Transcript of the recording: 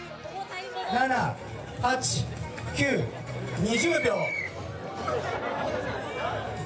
７、８、９、２０秒。